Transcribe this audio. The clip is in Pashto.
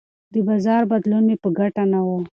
د بازار بدلون مې په ګټه نه و.